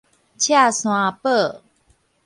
赤山堡